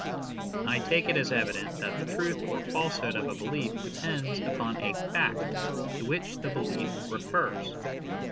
I take it as evident that the truth or falsehood of a belief depends upon a fact to which the belief " refers."